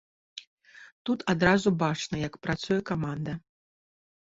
Тут адразу бачна, як працуе каманда.